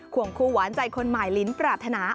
วงคู่หวานใจคนใหม่ลิ้นปรารถนา